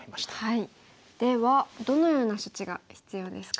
ではどのような処置が必要ですか？